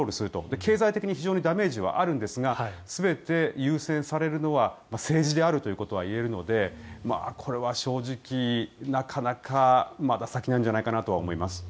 経済的にダメージはあるんですが全て優先されるのは政治であるということは言えるのでこれは正直、なかなかまだ先なんじゃないかなとは思います。